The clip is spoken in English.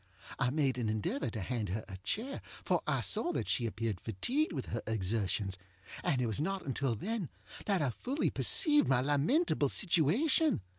I made an endeavor to hand her a chair, for I saw that she appeared fatigued with her exertionsŌĆöand it was not until then that I fully perceived my lamentable situation.